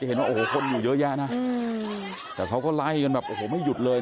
เห็นว่าโอ้โหคนอยู่เยอะแยะนะแต่เขาก็ไล่กันแบบโอ้โหไม่หยุดเลย